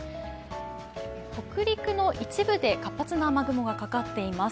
北陸の一部で活発な雨雲がかかっています。